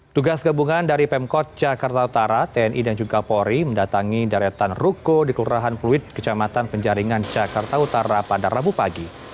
tugas gabungan dari pemkot jakarta utara tni dan juga polri mendatangi daratan ruko di kelurahan pluit kecamatan penjaringan jakarta utara pada rabu pagi